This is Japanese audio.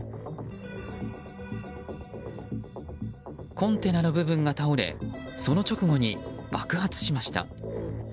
コンテナの部分が倒れその直後に爆発しました。